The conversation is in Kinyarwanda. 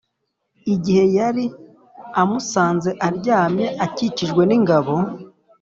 igihe yari amusanze aryamye akikijwe n’ingabo